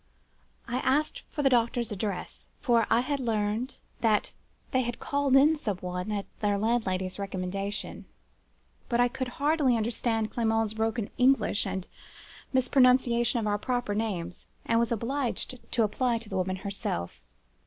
I asked for the doctor's address; for I had heard that they had called in some one, at their landlady's recommendation: but I could hardly understand Clement's broken English, and mispronunciation of our proper names, and was obliged to apply to the woman herself.